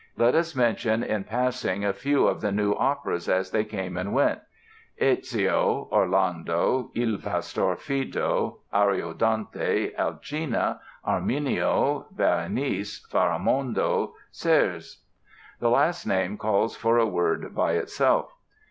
Let us mention in passing a few of the new operas as they came and went: "Ezio", "Orlando", "Il Pastor Fido", "Ariodante", "Alcina", "Arminio", "Berenice", "Faramondo", "Serse". The last named calls for a word by itself.